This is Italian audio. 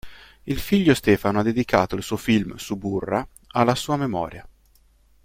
Il figlio Stefano ha dedicato il suo film "Suburra" alla sua memoria.